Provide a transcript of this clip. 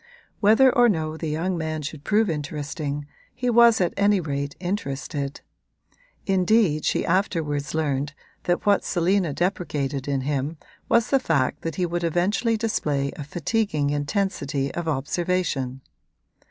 Whether or no the young man should prove interesting he was at any rate interested; indeed she afterwards learned that what Selina deprecated in him was the fact that he would eventually display a fatiguing intensity of observation.